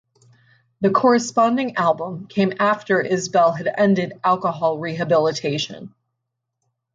The corresponding album came after Isbell had ended alcohol rehabilitation.